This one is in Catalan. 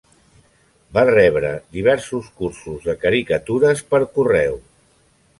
Va rebre diversos cursos de caricatures per correu.